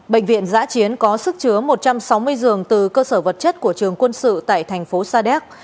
bệnh viện giã chiến có sức chứa một trăm sáu mươi giường từ cơ sở vật chất của trường quân sự tại thành phố sa đéc